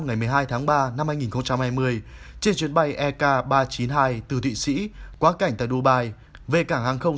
ngày một mươi hai tháng ba năm hai nghìn hai mươi trên chuyến bay ek ba trăm chín mươi hai từ thụy sĩ quá cảnh tại dubai về cảng hàng không